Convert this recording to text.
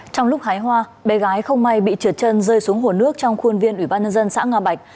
trong lúc hái hoa bé gái không may bị trượt chân rơi xuống hồ nước trong khuôn viên ủy ban nhân dân xã nga bạch